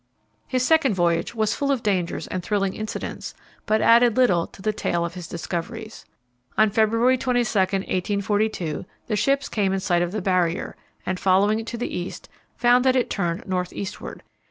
His second voyage was full of dangers and thrilling incidents, but added little to the tale of his discoveries. On February 22, 1842, the ships came in sight of the Barrier, and, following it to the east, found that it turned north eastward.